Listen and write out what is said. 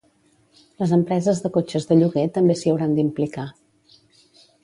Les empreses de cotxes de lloguer també s’hi hauran d’implicar.